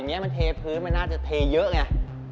หน้าอัปราณกิราฟ